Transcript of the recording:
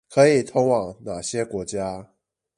可以通往那些國家